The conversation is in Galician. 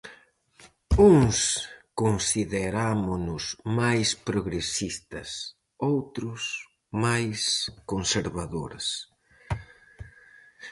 Uns considerámonos máis progresistas, outros máis conservadores.